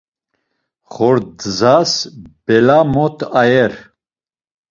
Xordzas bela mot ayer.